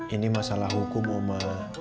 ini masalah hukum oma